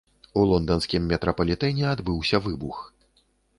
У лонданскім метрапалітэне адбыўся выбух.